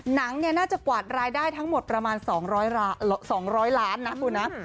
น่าจะกวาดรายได้ทั้งหมดประมาณ๒๐๐ล้านนะคุณนะ